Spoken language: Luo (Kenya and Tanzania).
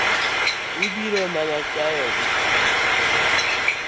Ibiro mana chayo gi.